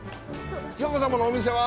京子様のお店は？